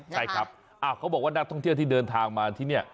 ใช่ครับเขาบอกว่านักท่องเที่ยวที่เดินทางมาที่นี่